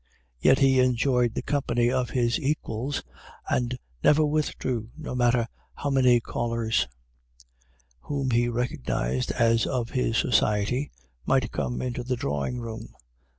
Yet he enjoyed the company of his equals, and never withdrew, no matter how many callers whom he recognized as of his society might come into the drawing room.